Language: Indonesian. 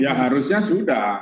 ya harusnya sudah